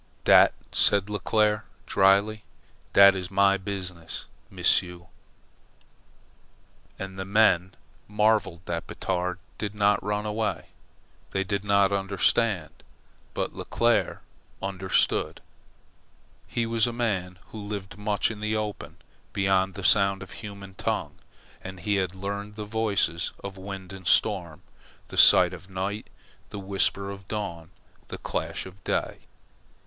"Dat," said Leclere, dryly, "dat is my biz'ness, M'sieu'." And the men marvelled that Batard did not run away. They did not understand. But Leclere understood. He was a man who lived much in the open, beyond the sound of human tongue, and he had learned the voices of wind and storm, the sigh of night, the whisper of dawn, the clash of day.